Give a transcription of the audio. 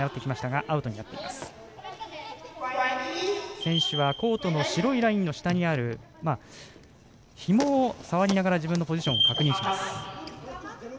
選手はコートの白いラインの下にあるひもを触りながら自分のポジションを確認します。